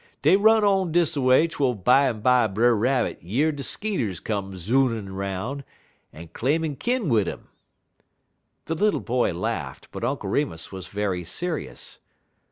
Dey run on dis a way twel bimeby Brer Rabbit year de skeeters come zoonin' 'roun', en claimin' kin wid 'im." The little boy laughed; but Uncle Remus was very serious.